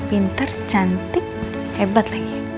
pintar cantik hebat lagi